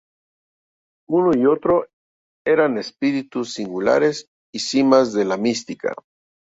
Uno y otro eran espíritus singulares y cimas de la mística.